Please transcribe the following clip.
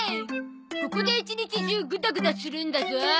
ここで一日中ぐだぐだするんだゾ。